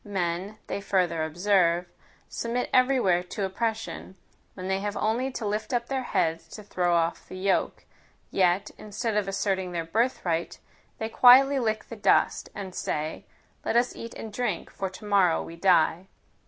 Men, they further observe, submit every where to oppression, when they have only to lift up their heads to throw off the yoke; yet, instead of asserting their birthright, they quietly lick the dust, and say, let us eat and drink, for to morrow we die.